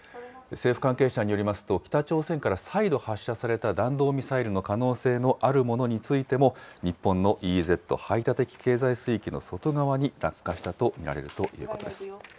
政府関係者によりますと、北朝鮮から再度発射された弾道ミサイルの可能性のあるものについても、日本のＥＥＺ・排他的経済水域の外側に落下したと見られるということです。